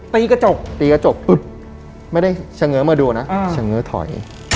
ตีกระจกตีกระจกไม่ได้เฉง้อมาดูนะเฉง้อถอย